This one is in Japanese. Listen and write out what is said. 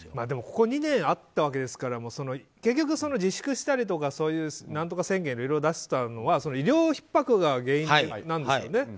でもここ２年あったわけですから結局、自粛したりとかそういう何とか宣言とかいろいろ出したのは医療ひっ迫が原因なんですよね。